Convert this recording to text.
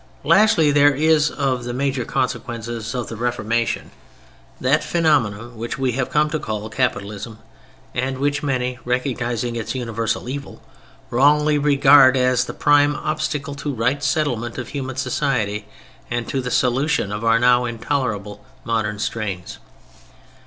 Lastly, there is of the major consequences of the Reformation that phenomenon which we have come to call "Capitalism," and which many, recognizing its universal evil, wrongly regard as the prime obstacle to right settlement of human society and to the solution of our now intolerable modern strains.